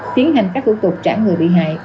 tiến hành các thủ tục trả người bị hại